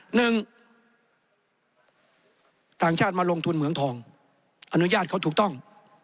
หนึ่งต่างชาติมาลงทุนเหมืองทองอนุญาตเขาถูกต้อง